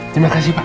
terima kasih pak